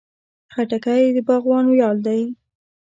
خټکی د باغوان ویاړ دی.